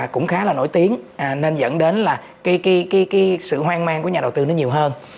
cũng khá là nổi tiếng nên dẫn đến là cái sự hoang mang của nhà đầu tư nó nhiều hơn